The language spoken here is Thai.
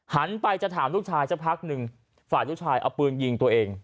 หันไปจะถามลูกชายสักพักหนึ่งฝ่ายลูกชายเอาปืนยิงตัวเอง